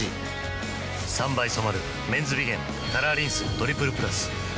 ３倍染まる「メンズビゲンカラーリンストリプルプラス」